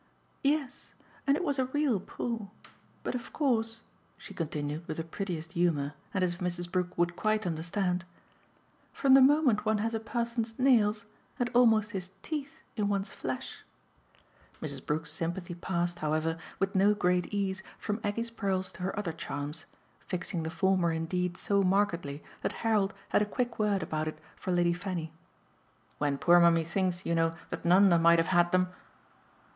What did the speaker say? Yes, and it was a REAL pull. But of course," she continued with the prettiest humour and as if Mrs. Brook would quite understand, "from the moment one has a person's nails, and almost his teeth, in one's flesh !" Mrs. Brook's sympathy passed, however, with no great ease from Aggie's pearls to her other charms; fixing the former indeed so markedly that Harold had a quick word about it for Lady Fanny. "When poor mummy thinks, you know, that Nanda might have had them